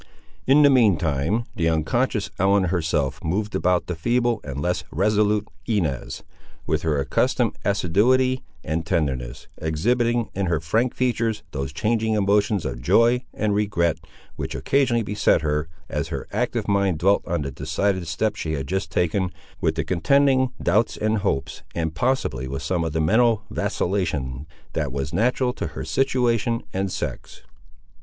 In the mean time, the unconscious Ellen herself moved about the feeble and less resolute Inez, with her accustomed assiduity and tenderness, exhibiting in her frank features those changing emotions of joy and regret which occasionally beset her, as her active mind dwelt on the decided step she had just taken, with the contending doubts and hopes, and possibly with some of the mental vacillation, that was natural to her situation and sex.